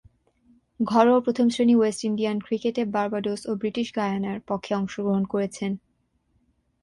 ঘরোয়া প্রথম-শ্রেণীর West Indian ক্রিকেটে বার্বাডোস ও ব্রিটিশ গায়ানার পক্ষে অংশগ্রহণ করেছেন।